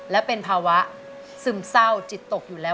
และเป็นภาวะซึมเศร้าจิตตกอยู่แล้ว